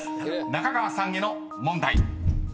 ［中川さんへの問題］